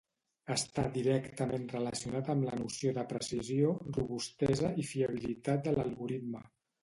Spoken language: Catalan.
Està directament relacionat amb la noció de precisió, robustesa i fiabilitat de l'algoritme.